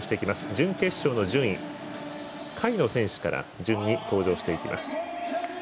準決勝の順位、下位の選手から登場していきます。